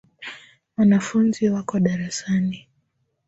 Wanafunzi wako darasani.